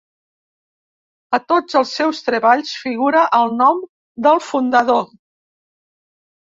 A tots els seus treballs figura el nom del fundador.